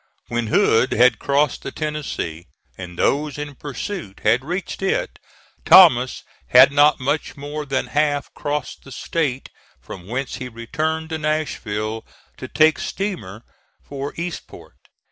When Hood had crossed the Tennessee, and those in pursuit had reached it, Thomas had not much more than half crossed the State, from whence he returned to Nashville to take steamer for Eastport.